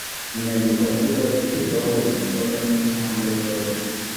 inyandikomvugo ishyirwaho umukono n’impande zombi